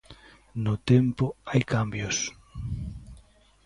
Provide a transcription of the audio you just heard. No tempo hai cambios.